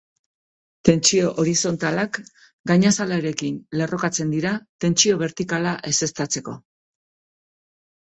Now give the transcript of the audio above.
Tentsio horizontalak gainazalarekin lerrokatzen dira tentsio bertikala ezeztatzeko.